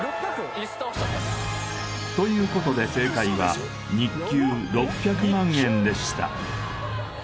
・イス倒しちゃったということで正解は日給６００万円でした